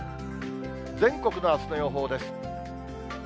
全国のあすの予報です。